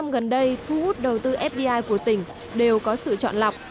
năm gần đây thu hút đầu tư fdi của tỉnh đều có sự chọn lọc